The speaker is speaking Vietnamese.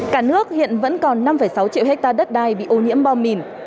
cả nước hiện vẫn còn năm sáu triệu hectare đất đai bị ô nhiễm bom mìn